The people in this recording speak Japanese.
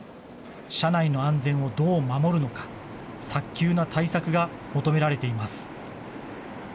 車内の安全をどう守るのか、早急な対策が求められています。